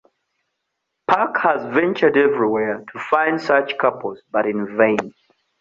Puck has ventured everywhere to find such couples, but in vain.